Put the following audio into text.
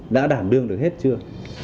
đã đảm đương được hết chưa